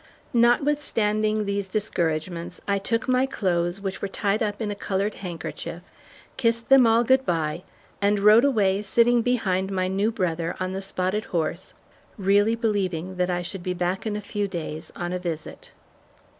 Notwithstanding these discouragements, I took my clothes, which were tied up in a colored handkerchief, kissed them all good bye, and rode away sitting behind my new brother on the spotted horse, really believing that I should be back in a few days on a visit.